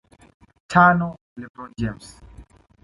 Tano LeBron James